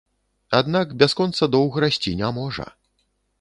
Аднак бясконца доўг расці не можа.